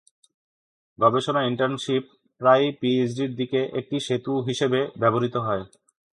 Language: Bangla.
গবেষণা ইন্টার্নশীপ প্রায়ই পিএইচডির দিকে একটি সেতু হিসাবে ব্যবহৃত হয়।